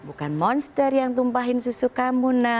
bukan monster yang tumpahin susu kamu